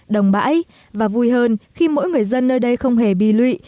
đồng bãi và vui hơn khi mỗi người dân nơi đây không hề bị lụy